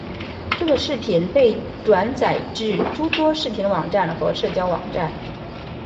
这个视频被转载至诸多视频网站和社交网站。